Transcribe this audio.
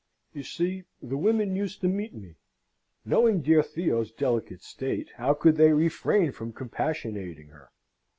You see the women used to meet me: knowing dear Theo's delicate state, how could they refrain from compassionating her!